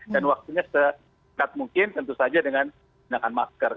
dan waktunya setakat mungkin tentu saja dengan masker